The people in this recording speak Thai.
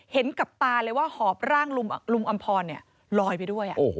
เห็นกับตาเลยว่าหอบร่างลุงอำพรลอยไปด้วย